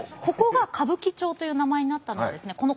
ここが歌舞伎町という名前になったのはですね